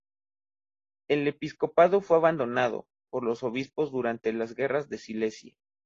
El episcopado fue abandonado por los obispos durante las Guerras de Silesia.